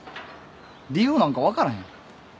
理由なんか分からへん。